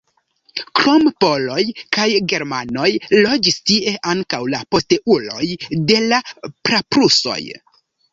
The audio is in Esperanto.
Krom poloj kaj germanoj loĝis tie ankaŭ la posteuloj de la praprusoj.